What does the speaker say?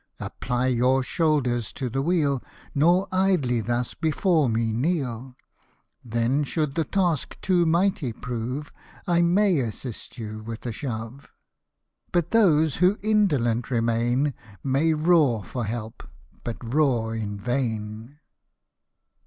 Apply your shoulders to the wheel, Nor idly thus before me kneel ; Then, should the task too mighty prove, I may assist you with a shove ; But those who indolent remain May roar for help, but roar in vain."